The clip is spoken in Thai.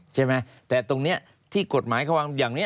ใช่ไหมแต่ตรงนี้ที่กฎหมายเขาวางอย่างนี้